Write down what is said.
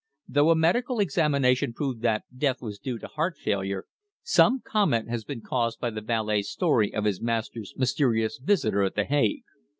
"Though a medical examination proved that death was due to heart failure, some comment has been caused by the valet's story of his master's mysterious visitor at The Hague.